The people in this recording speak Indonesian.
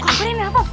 kau berani apa